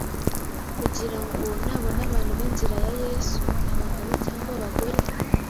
kugira ngo, nabona abantu b’Inzira ya Yesu, abagabo cyangwa abagore,